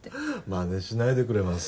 まねしないでくれます？